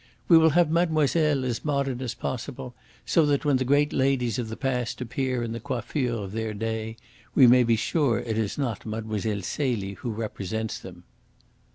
"We will have mademoiselle as modern as possible, so that, when the great ladies of the past appear in the coiffure of their day, we may be sure it is not Mlle. Celie who represents them."